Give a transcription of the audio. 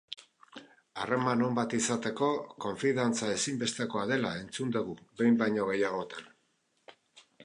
Harreman on bat izateko, konfidantza ezinbestekoa dela entzun dugu behin baino gehiagotan.